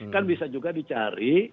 kan bisa juga dicari